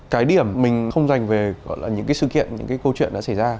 cái điểm mình không dành về những cái sự kiện những cái câu chuyện đã xảy ra